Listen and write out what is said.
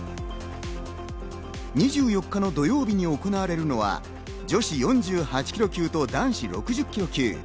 ２４日の土曜日に行われるのは女子４８ｋｇ級と男子６０ｋｇ級。